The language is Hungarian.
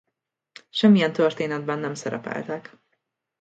Semmilyen történetben nem szerepeltek.